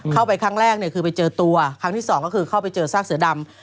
เข้าไปครั้งแรกเนี่ยคือไปเจอตัวครั้งที่สองก็คือเข้าไปเจอซากเสือดำ